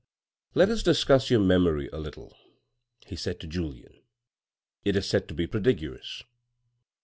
" Let us discuss your memory a little," he said to Julien, " it is said to be prodigious.